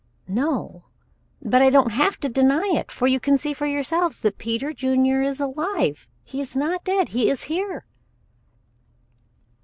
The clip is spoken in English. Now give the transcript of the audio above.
"No, but I don't have to deny it, for you can see for yourselves that Peter Junior is alive. He is not dead. He is here."